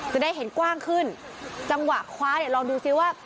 จะได้เห็นกว้างขึ้นจังหวะคว้าเนี่ยลองดูซิว่า